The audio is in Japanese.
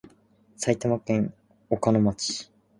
埼玉県小鹿野町